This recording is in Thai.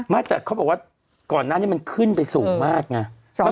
มากจากเขาบอกว่าก่อนนั้นมันขึ้นไปสูงมากไง